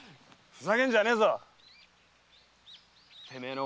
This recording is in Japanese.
〔ふざけんじゃねえぞ！〕